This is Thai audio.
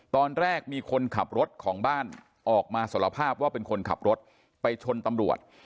ตอนแรกมีคนขับรถของบ้านออกมาสารภาพว่าเป็นคนขับรถไปชนตำรวจ